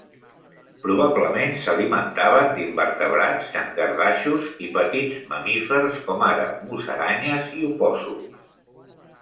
Probablement s'alimentaven d'invertebrats, llangardaixos i petits mamífers, com ara musaranyes i opòssums.